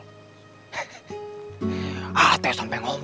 a'ah teh sampai ngomong